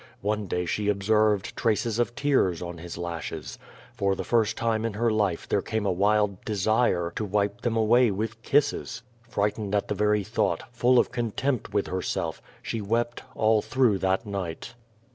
One day she observed traces of tears on his lashes. For the first time in her life there came a wild desire to wipe them away with kisses. Frightened at the very thought, full of contempt with herself, she wept all through that night.